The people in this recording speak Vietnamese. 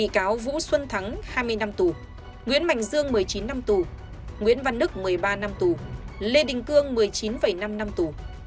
bị cáo vũ xuân thắng hai mươi năm tù nguyễn mạnh dương một mươi chín năm tù nguyễn văn đức một mươi ba năm tù lê đình cương một mươi chín năm năm tù